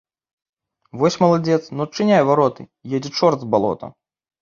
Вось маладзец, ну, адчыняй вароты, едзе чорт з балота.